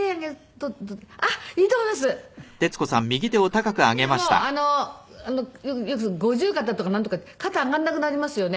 こうやるだけでもよく五十肩とかなんとかって肩上がらなくなりますよね。